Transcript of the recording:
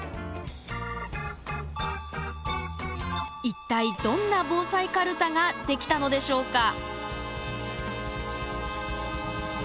一体どんな防災かるたができたのでしょうか。